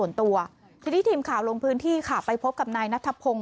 ส่วนตัวทีนี้ทีมข่าวลงพื้นที่ค่ะไปพบกับนายนัทพงศ